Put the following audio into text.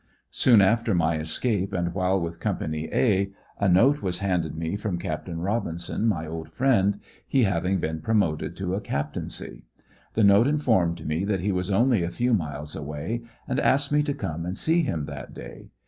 Soon after my escape and while with company *'A," a note was handed me from Capt. Robinson, my old friend, he having been promoted to a captaincy. The note informed me that he was only a few miles away, and asked me to come and see him that day.